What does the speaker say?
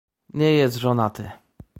"Nie jest żonaty."